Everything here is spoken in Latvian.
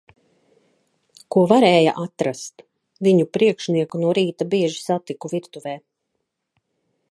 Ko varēja atrast. Viņu priekšnieku no rīta bieži satiku virtuvē.